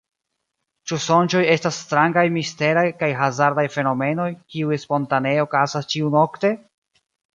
Ĉu sonĝoj estas strangaj, misteraj kaj hazardaj fenomenoj, kiuj spontanee okazas ĉiu-nokte?